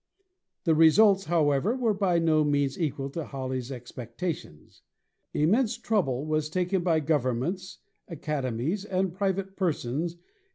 The re sults, however, were by no means equal to Halley's ex pectations." Immense trouble was taken by governments, academies 140 ASTRONOMY and private persons in.